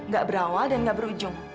gak berawal dan gak berujung